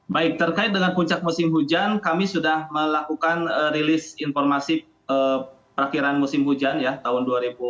baik terkait dengan puncak musim hujan kami sudah melakukan rilis informasi perakhiran musim hujan ya tahun dua ribu dua puluh dua dua ribu dua puluh tiga